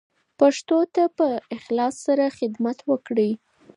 پښتو ته په اخلاص سره خدمت وکړئ.